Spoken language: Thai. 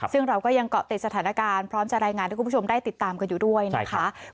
ซึ่งเราก็ยังเกาะติดสถานการณ์พร้อมจะรายงานให้คุณผู้ชมได้ติดตามกันอยู่ด้วยนะคะ